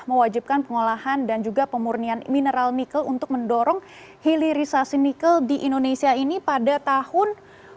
mewajibkan pengolahan dan juga pemurnian mineral nikel untuk mendorong hilirisasi nikel di indonesia ini pada tahun dua ribu dua puluh